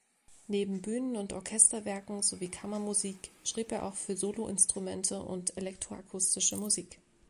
Neben Bühnen- und Orchesterwerken sowie Kammermusik schrieb er auch für Soloinstrumente und elektroakustische Musik.